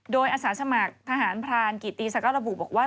โดยอาสาสมัครทหารพลานกิตตีสกรบุบบอกว่า